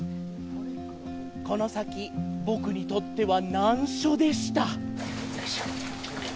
この先、僕にとっては難所でした。